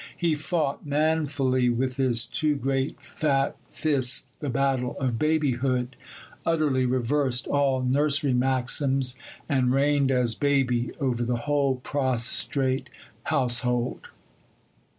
He fought manfully with his two great fat fists the battle of babyhood, utterly reversed all nursery maxims, and reigned as baby over the whole prostrate household.